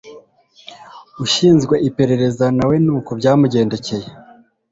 Ushinzwe iperereza nawe nuko byamugendekeye